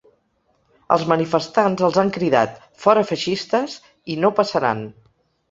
Els manifestants els han cridat ‘Fora feixistes’ i ‘No passaran’.